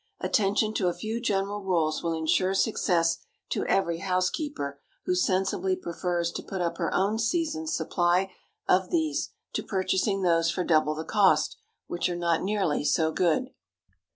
Attention to a few general rules will insure success to every housekeeper who sensibly prefers to put up her own season's supply of these to purchasing those for double the cost, which are not nearly so good.